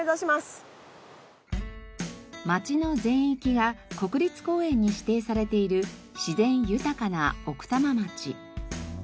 町の全域が国立公園に指定されている自然豊かな奥多摩町。